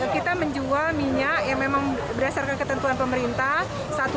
kita menjual minyak yang memang berdasarkan ketentuan pemerintah